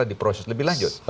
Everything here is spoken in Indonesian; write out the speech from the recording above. di proses lebih lanjut